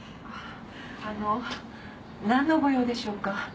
あの何の御用でしょうか。